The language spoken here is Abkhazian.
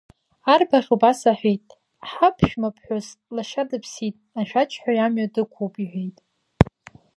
Арбаӷь убас аҳәеит, ҳаԥшәмаԥҳәыс лашьа дыԥсит, ашәаџьҳәаҩ амҩа дықәуп, – иҳәеит.